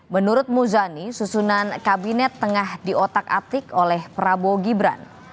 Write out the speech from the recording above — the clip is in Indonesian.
menurut muzani susunan kabinet tengah diotak atik oleh prabowo gibran